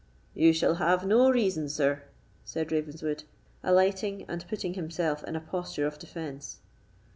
"You shall have no reason, sir," said Ravenswood, alighting, and putting himself into a posture of defence.